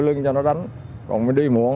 lưng cho nó đánh còn mình đi muộn